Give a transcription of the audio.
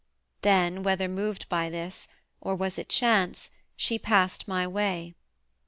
Then, whether moved by this, or was it chance, She past my way.